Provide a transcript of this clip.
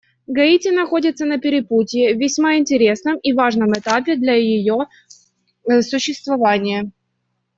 Гаити находится на перепутье — весьма интересном и важном этапе для ее существования.